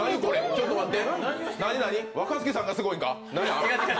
ちょっと待って。